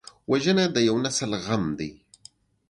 وژنه د یو نسل غم دی